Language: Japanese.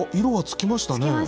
色がつきましたね。